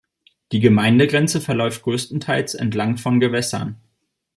Die Gemeindegrenze verläuft grösstenteils entlang von Gewässern.